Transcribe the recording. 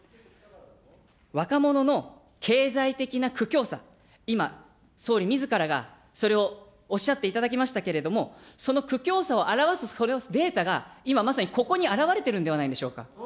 若者の経済的な苦境さ、今、総理みずからが、それをおっしゃっていただきましたけれども、その苦境さを表すそのデータが今まさに、ここに表れているんではないでしょうか。